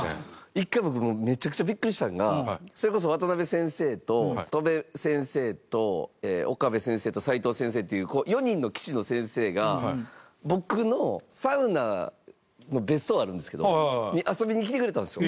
一回僕もうめちゃくちゃビックリしたのがそれこそ渡辺先生と戸辺先生と岡部先生と斎藤先生っていう４人の棋士の先生が僕のサウナ別荘あるんですけど遊びに来てくれたんですよ。